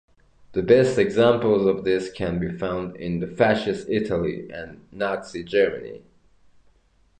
The best examples of this can be found with Fascist Italy and Nazi Germany.